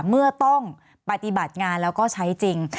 เมื่อต้องปฏิบัติงานแล้วก็ใช้จริง